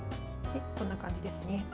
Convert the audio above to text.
こんな感じですね。